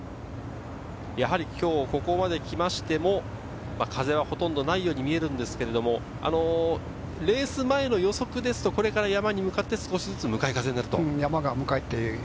今日ここまで来ても風はほとんどないように見えるんですが、レース前の予測ですと、これから山に向かって、少しずつ向かい風になる。